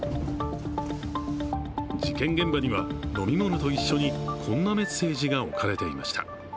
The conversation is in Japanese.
事件現場には、飲み物と一緒にこんなメッセージが置かれていました。